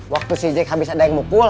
waktu si jack habis ada yang mukul